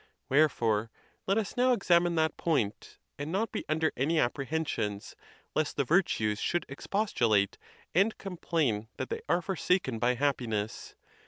Wherefore let us now examine that point, and not be under any apprehensions, lest the virtues should expostulate, and complain that they are for saken by happiness.